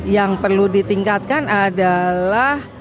yang perlu ditingkatkan adalah